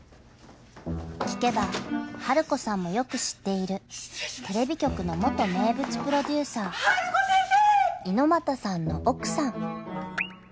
［聞けばハルコさんもよく知っているテレビ局の元名物プロデューサー猪俣さんの奥さん］